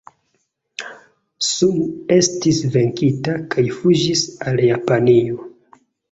Sun estis venkita kaj fuĝis al Japanio.